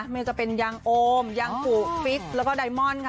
ไม่จะเป็นยางโอมยางกุฟิกแล้วก็ไดมอนด์ค่ะ